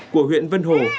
của huyện vân hồ